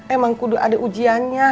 emang kudu ada ujiannya